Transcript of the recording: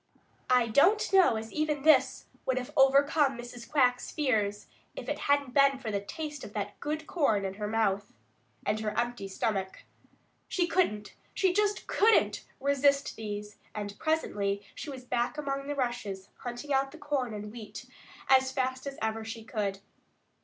I don't know as even this would have overcome Mrs. Quack's fears if it hadn't been for the taste of that good corn in her mouth, and her empty stomach. She couldn't, she just couldn't resist these, and presently she was back among the rushes, hunting out the corn and wheat as fast as ever she could.